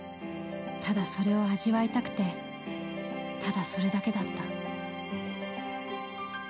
ただそれを味わいたくてただそれだけだった。